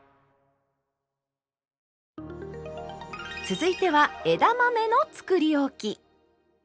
続いては枝豆のつくりおき。